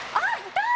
痛い！